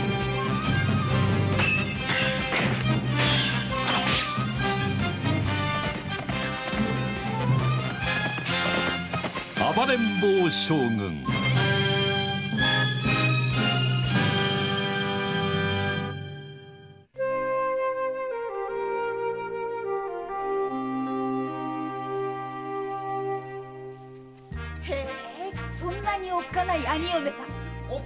そんなにおっかない兄嫁さん？